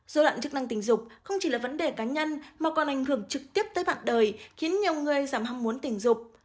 dối loạn chức năng tình dục không chỉ là vấn đề cá nhân mà còn ảnh hưởng trực tiếp tới bạn đời khiến nhiều người giảm hao muốn tình dục